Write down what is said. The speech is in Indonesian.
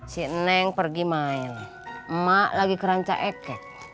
si neng pergi main emak lagi kerancaik